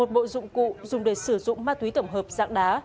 một bộ dụng cụ dùng để sử dụng ma túy tổng hợp dạng đá